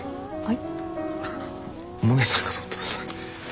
はい。